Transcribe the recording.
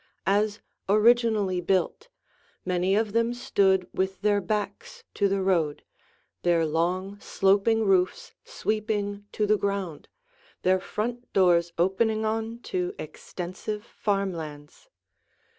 As originally built, many of them stood with their backs to the road, their long, sloping roofs sweeping to the ground, their front doors opening on to extensive farm lands.